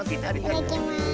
いただきます。